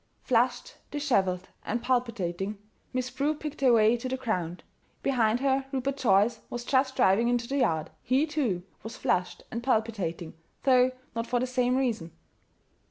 Flushed, disheveled, and palpitating, Miss Prue picked her way to the ground. Behind her Rupert Joyce was just driving into the yard. He, too, was flushed and palpitating though not for the same reason.